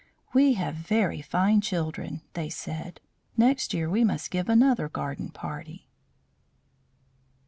"We have very fine children," they said. "Next year we must give another garden party."